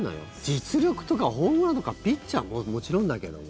実力とかホームランとかピッチャーももちろんだけども。